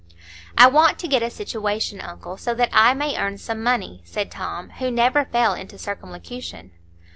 "I want to get a situation, uncle, so that I may earn some money," said Tom, who never fell into circumlocution.